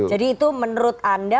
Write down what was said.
jadi itu menurut anda